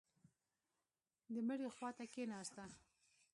د مړي خوا ته کښېناسته.